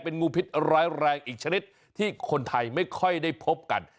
งูพิษร้ายแรงอีกชนิดที่คนไทยไม่ค่อยได้พบกัน